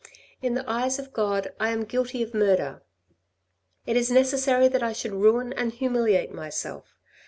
In the eyes of God I am guilty of murder. It is necessary that I should ruin and humiliate myself.